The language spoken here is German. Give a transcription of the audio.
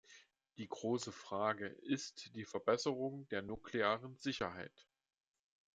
Die große Frage ist die Verbesserung der nuklearen Sicherheit.